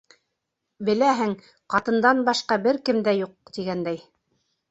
Беләһең, ҡатындан башҡа бер кем дә юҡ, тигәндәй...